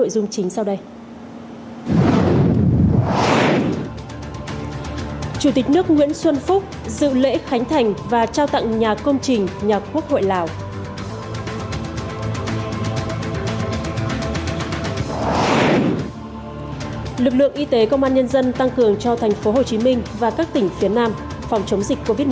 lực lượng y tế công an nhân dân tăng cường cho thành phố hồ chí minh và các tỉnh phía nam phòng chống dịch covid một mươi chín